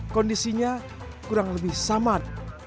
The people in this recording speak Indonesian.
kondisinya kurang lebih samad